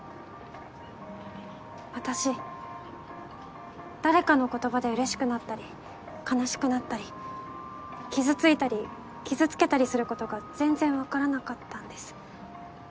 私誰かの言葉でうれしくなったり悲しくなったり傷ついたり傷つけたりすることが全然分からなかったんです。